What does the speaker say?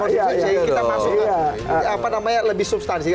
kita masuk ke apa namanya lebih substansi